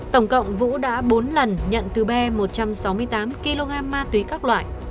tổng cộng vũ đã bốn lần nhận từ bé một trăm sáu mươi tám kg ma tuy các loại